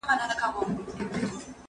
زه به سبا مېوې وخورم،